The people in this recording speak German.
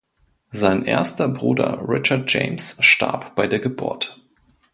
Sein erster Bruder Richard James starb bei der Geburt.